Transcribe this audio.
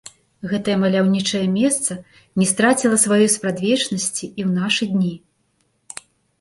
Гэтае маляўнічае месца не страціла сваёй спрадвечнасці і ў нашы дні.